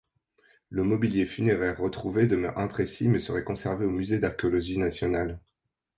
Le mobilier funéraire retrouvé demeure imprécis mais serait conservé au Musée d'Archéologie nationale.